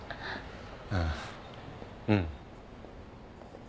ああうん。